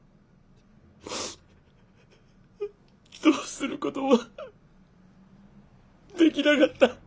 どうすることもできなかった。